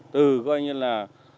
từ coi như là